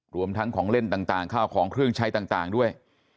รวมทั้งของเล่นต่างข้าวของเครื่องใช้ต่างด้วย